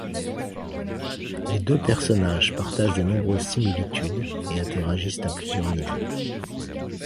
Les deux personnages partagent de nombreuses similitudes et interagissent à plusieurs niveaux.